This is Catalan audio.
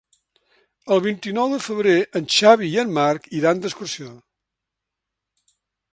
El vint-i-nou de febrer en Xavi i en Marc iran d'excursió.